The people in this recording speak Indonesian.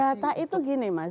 data itu gini mas